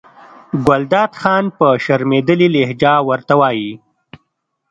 ګلداد خان په شرمېدلې لهجه ورته وایي.